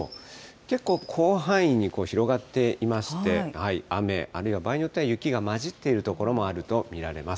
結構、広範囲に広がっていまして、雨、あるいは場合によっては雪がまじっている所もあると見られます。